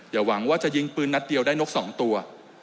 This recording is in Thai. หวังว่าจะยิงปืนนัดเดียวได้นก๒ตัว